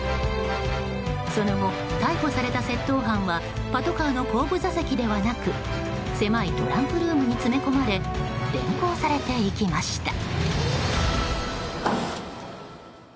その後、逮捕された窃盗犯はパトカーの後部座席ではなく狭いトランクルームに詰め込まれ連行されていきました。